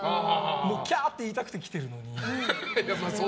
キャーって言いたくて来てるのに。